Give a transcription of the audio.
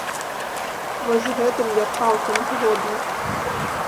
Вось з гэтым я цалкам згодны.